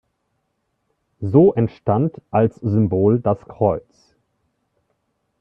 So entstand als Symbol das Kreuz.